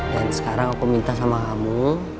dan sekarang aku minta sama kamu